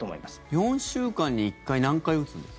４週間に１回何回打つんですか？